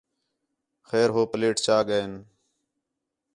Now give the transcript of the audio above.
خیر ہو پلیٹ چا ڳئین